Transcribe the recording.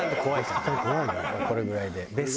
これぐらいで。